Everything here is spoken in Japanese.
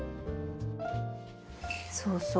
そうそう。